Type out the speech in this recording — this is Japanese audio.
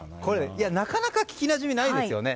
なかなか聞き馴染みないですよね。